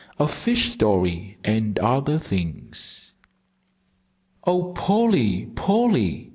V A FISH STORY AND OTHER THINGS "Oh, Polly! Polly!"